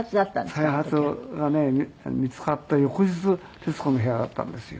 再発がね見つかった翌日『徹子の部屋』だったんですよ。